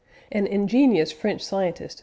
An ingenious French scientist, J.